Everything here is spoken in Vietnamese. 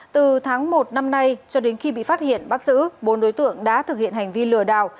từ tháng một năm nay cho đến khi bị phát hiện bắt giữ bốn đối tượng đã thực hiện hành vi lừa đảo